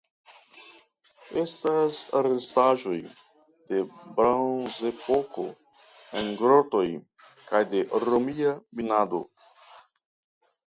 Estas restaĵoj de Bronzepoko en grotoj kaj de romia minado.